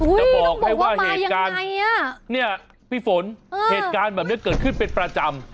จะบอกให้ว่าเหตุการณ์เนี่ยพี่ฝนเหตุการณ์แบบนี้เกิดขึ้นเป็นประจำ